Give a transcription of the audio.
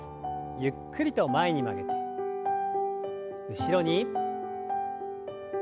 ゆっくりと前に曲げて後ろに。